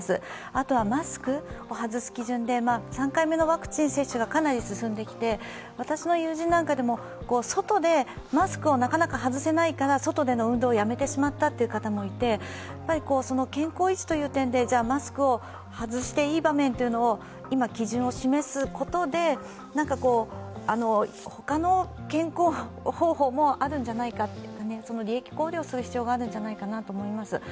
あとはマスクを外す基準で、３回目のワクチン接種がかなり進んできて、私の友人なども外でマスクをなかなか外せないから外での運動をやめてしまったという方もいて、健康維持という点で、マスクを外していい場面を今、基準を示すことで、他の健康方法もあるんじゃないかその利益考慮をする必要があるんじゃないかと思います。